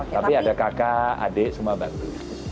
tapi ada kakak adik semua bantu